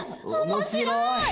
面白い！